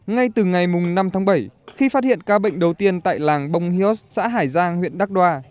ngay từ ngày năm tháng bảy khi phát hiện ca bệnh đầu tiên tại làng bông hiếu xã hải giang huyện đắc đoa